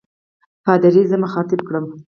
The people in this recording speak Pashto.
پادري زه مخاطب کړم.